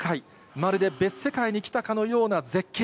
まるで別世界に来たかのような絶景。